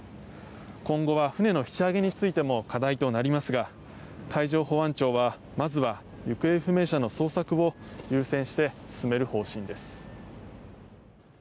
今後は船の引き上げについても課題となりますが海上保安庁はまずは行方不明者の捜索を優先して進める方針です。